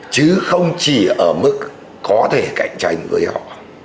chứ không chỉ ở mức có thể cạnh tranh với họ